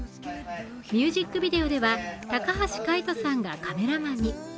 ミュージックビデオでは高橋海人さんがカメラマンに。